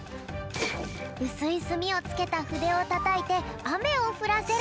うすいすみをつけたふでをたたいてあめをふらせる。